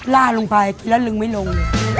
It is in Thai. ล่าลงไปหลากลึงมิลง